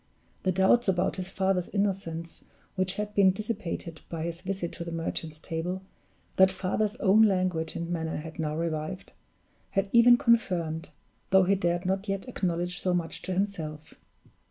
The doubts about his father's innocence which had been dissipated by his visit to the Merchant's Table, that father's own language and manner had now revived had even confirmed, though he dared not yet acknowledge so much to himself.